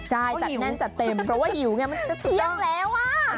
ใช่จัดแน่นจัดเต็มเพราะว่าหิวไงมันจะเที่ยงแล้วอ่ะ